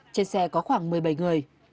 trên xe có khoảng một mươi bảy người